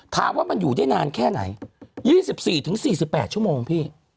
ถามว่ามันอยู่ได้นานแค่ไหน๒๔๔๘ชั่วโมงพี่